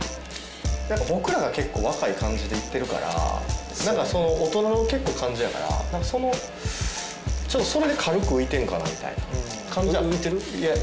何か僕らが結構若い感じでいってるから何か大人の結構感じやからそのそれで軽く浮いてんかなみたいな感じは浮いてる？